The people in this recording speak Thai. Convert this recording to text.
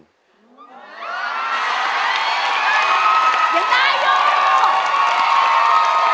เห็นได้ยัง